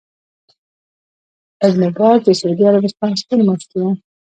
ابن باز د سعودي عربستان ستر مفتي وو